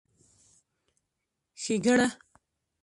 ښېګړه